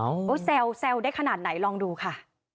เขาแซวได้ขนาดไหนลองดูค่ะ